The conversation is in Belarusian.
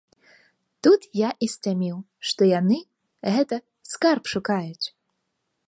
Тут я і сцяміў, што яны, гэта, скарб шукаюць.